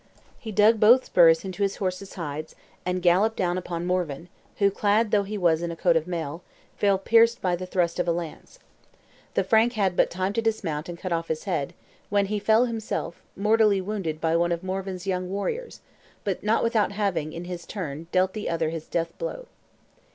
He dug both spurs into his horse's sides, and galloped down upon Morvan, who, clad though he was in a coat of mail, fell pierced by the thrust of a lance. The Frank had but time to dismount and cut off his head, when he fell himself, mortally wounded by one of Morvan's young warriors, but not without having, in his turn, dealt the other his death blow.